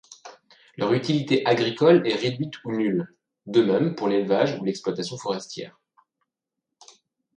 Leur utilité agricole est réduite ou nulle, de même pour l'élevage ou l'exploitation forestière.